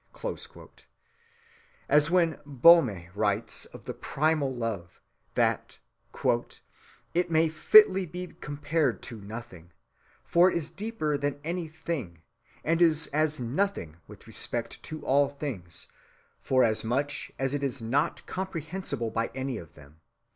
(264) As when Boehme writes of the Primal Love, that "it may fitly be compared to Nothing, for it is deeper than any Thing, and is as nothing with respect to all things, forasmuch as it is not comprehensible by any of them.